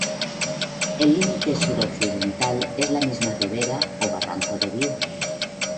El límite suroccidental es la misma rivera o barranco de Viu.